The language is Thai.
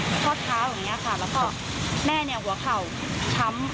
ข้อเท้าอย่างนี้ค่ะแล้วก็แม่เนี่ยหัวเข่าช้ำ